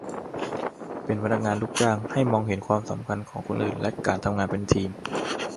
หากเป็นพนักงานลูกจ้าง ให้มองเห็นความสำคัญของคนอื่นและการทำงานเป็นทีม